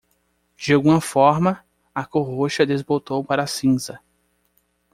De alguma forma, a cor roxa desbotou para cinza.